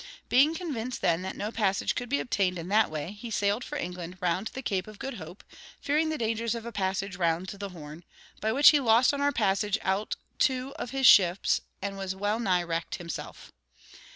Being convinced, then, that no passage could be obtained in that way, he sailed for England round the Cape of Good Hope, fearing the dangers of a passage round the Horn, by which he lost on our passage out two of his ships, and was well nigh wrecked himself.